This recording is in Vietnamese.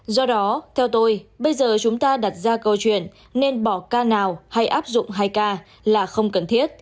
do đó theo tôi bây giờ chúng ta đặt ra câu chuyện nên bỏ ca nào hay áp dụng hai k là không cần thiết